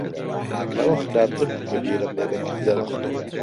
لەوە خراپتر بوو کە بیرم لێ دەکردەوە.